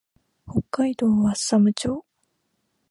北海道和寒町